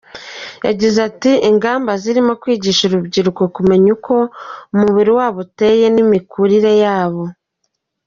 Yagize ati “Ingamba zirimo kwigisha urubyiruko kumenya uko umubiri wabo uteye n’imikurire yabo.